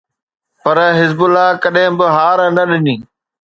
پر حزب الله ڪڏهن به هار نه ڏني.